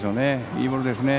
いいボールですね。